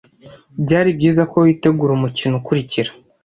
Byari byiza ko witegura umukino ukurikira.